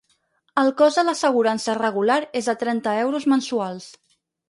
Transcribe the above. El cost de l'assegurança regular és de trenta euros mensuals.